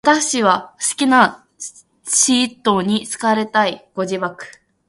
綿 h 氏は好きな使途に好かれたい。ご自爆